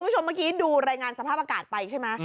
คุณผู้ชมเมื่อกี้ดูรายงานสภาพอากาศไปใช่ไหม